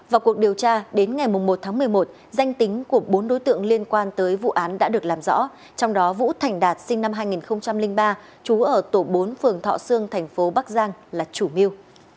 vào cuộc điều tra đến ngày một tháng một mươi một danh tính của bốn đối tượng liên quan tới vụ án đã được làm rõ trong đó vũ thành đạt sinh năm hai nghìn ba trú ở tổ bốn phường thọ sương thành phố bắc giang là chủ mưu